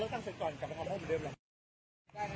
อันดับอันดับอันดับอันดับอันดับ